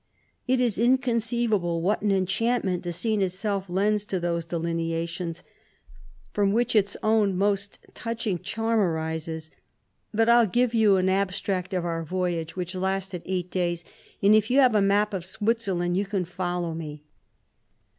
It is inconceivable what an enchantment the scene itself lends to those delineations, from which its own 108 most touching charm arises. But I will give you an abstract of our voyage, which lasted eight days, and if you have a map of Switzerland, you can follow me.